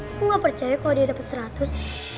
aku gak percaya kalau dia dapet seratus